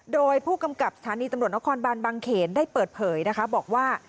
โดยผู้กำกับสถานีตำรวจนครบานบางเขนได้เปิดเผยนะคะบอกว่า